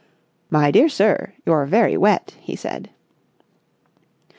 "My dear sir, you're very wet," he said.